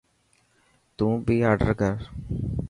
تون بي آڊر ڪر.